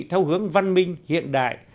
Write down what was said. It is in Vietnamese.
theo hướng văn minh hiện đại